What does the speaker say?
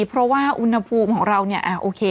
เพราะว่าอุณหภูมิของเราเนี่ยโอเค